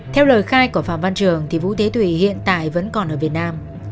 theo lời khai của phạm văn trường thì vũ thế thủy hiện tại vẫn còn ở việt nam